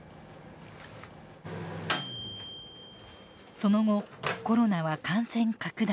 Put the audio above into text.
その後コロナは感染拡大。